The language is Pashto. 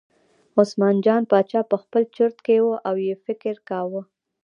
عثمان جان باچا په خپل چورت کې و او یې فکر کاوه.